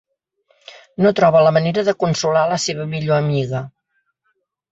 No troba la manera de consolar la seva millor amiga.